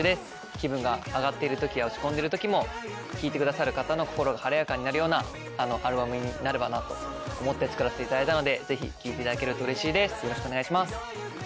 気分が上がっている時や落ち込んでいる時も聴いてくださる方の心が晴れやかになるようなアルバムになればなと思って作らせていただいたのでぜひ聴いていただけるとうれしいですお願いします。